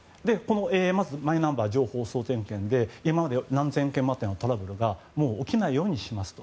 まずマイナンバー情報総点検で今まで何千件もあったようなトラブルがもう起きないようにしますと。